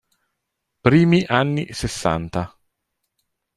Primi anni Sessanta.